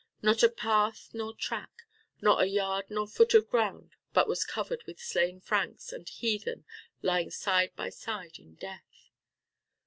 Not a path nor track, not a yard nor foot of ground but was covered with slain Franks and heathen lying side by side in death.